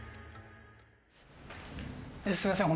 すいません。